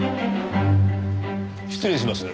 失礼します。